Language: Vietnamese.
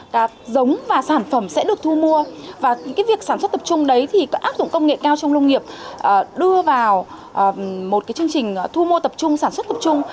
và giống và sản phẩm sẽ được thu mua và cái việc sản xuất tập trung đấy thì có áp dụng công nghệ cao trong lông nghiệp đưa vào một cái chương trình thu mua tập trung sản xuất tập trung